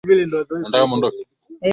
zinaitumia sana kama kama kama kama